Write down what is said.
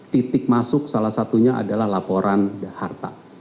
titik masuk salah satunya adalah laporan harta